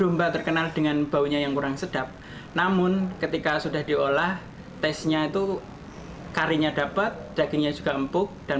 orang orang di dongba tidak itu l intensely nyenangkan